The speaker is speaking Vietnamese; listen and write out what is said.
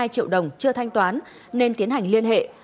hai mươi hai triệu đồng chưa thanh toán nên tiến hành liên hệ